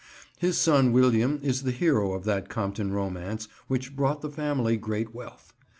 His son William is the hero of that Compton romance which brought the family great wealth.